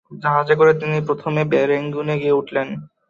জাহাজে করে প্রথমে তিনি রেঙ্গুনে গিয়ে উঠলেন।